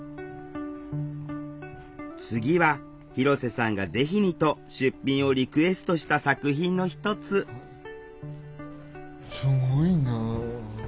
次は広瀬さんがぜひにと出品をリクエストした作品の一つすごいなあ。